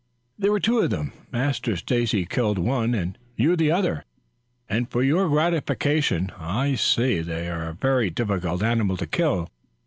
"There were two of them. Master Stacy killed one and you the other, and for your gratification I'll say that they are a very difficult animal to kill.